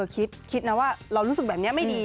คิดนะว่าเรารู้สึกแบบนี้ไม่ดี